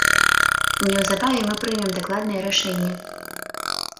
Неўзабаве мы прымем дакладнае рашэнне!